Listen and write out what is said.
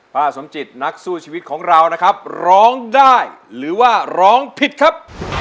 สมจิตนักสู้ชีวิตของเรานะครับร้องได้หรือว่าร้องผิดครับ